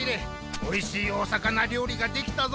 おいしいお魚料理ができたぞ。